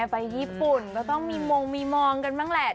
ไปญี่ปุ่นก็ต้องมีมงมีมองกันบ้างแหละ